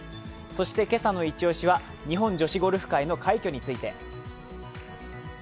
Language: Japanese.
そして今朝のイチ押しは日本女子ゴルフ界の快挙について。